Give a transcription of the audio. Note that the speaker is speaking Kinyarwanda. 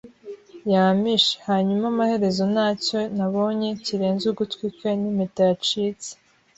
yampishe; hanyuma amaherezo ntacyo nabonye kirenze ugutwi kwe nimpeta yacitse